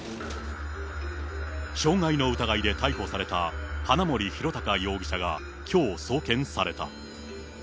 傷害の疑いで逮捕された花森弘卓容疑者が、きょう送検された。